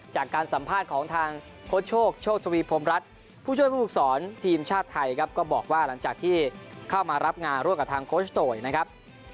จากการสัมภาษณ์ของทางโค้ชโชคโชคทวีพรมรัฐผู้ช่วยผู้ฝึกศรทีมชาติไทยครับก็บอกว่าหลังจากที่เข้ามารับงานร่วมกับทางโคชโตยนะครับ